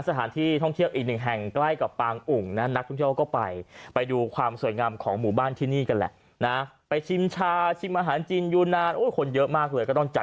สถานที่ท่องเทียบอีกหนึ่งแห่ง